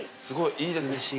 すごいいいですね。